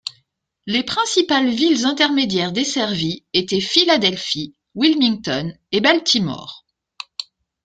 Les principales illes intermédiaires desservies étaient Philadelphie, Wilmington et Baltimore.